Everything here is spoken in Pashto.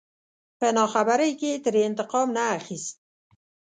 په ناخبرۍ کې يې ترې انتقام نه اخست.